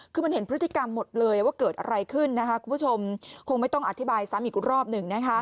คือมันเห็นพฤติกรรมหมดเลยว่าเกิดอะไรขึ้นคุณผู้ชมคงไม่ต้องอธิบายซ้ำอีกรอบหนึ่ง